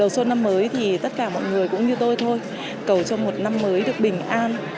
đầu xuân năm mới thì tất cả mọi người cũng như tôi thôi cầu cho một năm mới được bình an